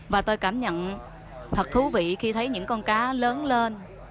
và tôi cảm nhận thật thú vị khi thấy những con cá lớn lên